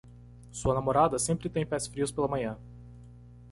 Sua namorada sempre tem pés frios pela manhã.